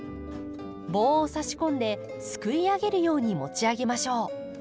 棒をさし込んですくい上げるように持ち上げましょう。